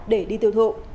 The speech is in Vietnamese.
để đi tiêu thụ